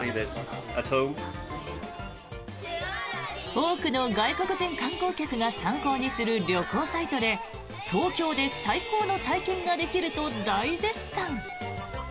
多くの外国人観光客が参考にする旅行サイトで東京で最高の体験ができると大絶賛。